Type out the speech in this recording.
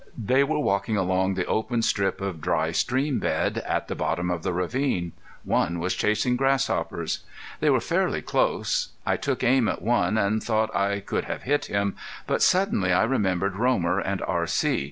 They were walking along the open strip of dry stream bed at the bottom of the ravine. One was chasing grasshoppers. They were fairly close. I took aim at one, and thought I could have hit him, but suddenly I remembered Romer and R.C.